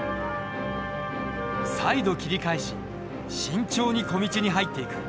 再度切り返し慎重に小道に入っていく。